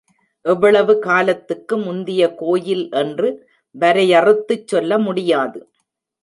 எவ்வளவு காலத்துக்கு முந்திய கோயில் என்று வரையறுத்துச் சொல்ல முடியாது.